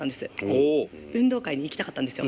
運動会に行きたかったんですよ。